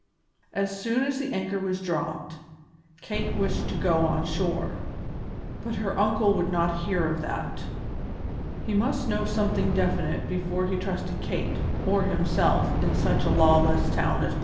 As soon as the anchor was dropped, Kate wished to go on shore, but her uncle would not hear of that. He must know something definite before he trusted Kate or himself in such a lawless town as Belize.